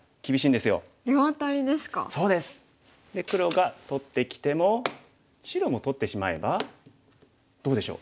で黒が取ってきても白も取ってしまえばどうでしょう？